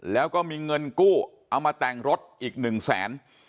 แล้วก็มีเงินกู้เอามาแต่งรถอีกหนึ่งแสน